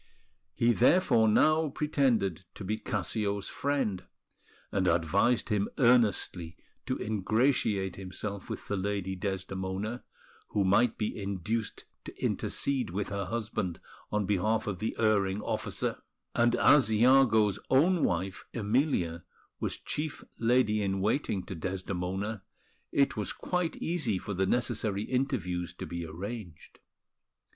He therefore now pretended to be Cassio's friend, and advised him earnestly to ingratiate himself with the Lady Desdemona, who might be induced to intercede with her husband on behalf of the erring officer; and as Iago's own wife, Emilia, was chief lady in waiting to Desdemona, it was quite easy for the necessary interviews to be arranged.